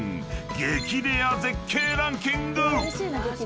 ［激レア絶景ランキング！］